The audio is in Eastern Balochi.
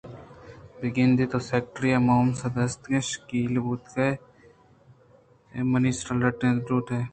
بہ گندے تو سیکرٹری مومس دیستگ ءُشیکل بوتگئے ءُگپ ءَ منی سرا لیٹینگ لوٹ اِت